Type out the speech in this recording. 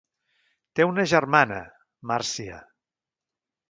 Té una germana, Marcia.